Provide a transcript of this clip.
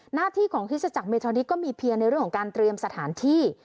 หน้าที่ของคริสตจักรเมทอดิสก็มีเพียงในเรื่องของการเตรียมสถานที่